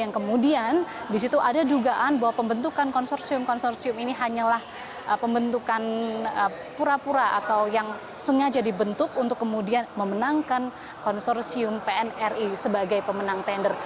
yang kemudian disitu ada dugaan bahwa pembentukan konsorsium konsorsium ini hanyalah pembentukan pura pura atau yang sengaja dibentuk untuk kemudian memenangkan konsorsium pnri sebagai pemenang tender